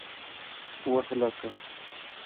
وه هلکه!